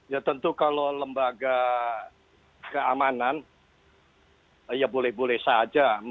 ya tentu kalau lembaga keamanan ya boleh boleh saja